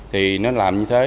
thì nó làm như thế